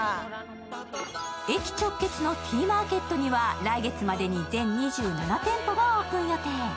駅直結のＴ−ＭＡＲＫＥＴには来月までに全２７店舗がオープン予定。